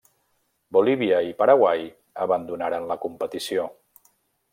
Bolívia, i Paraguai abandonaren la competició.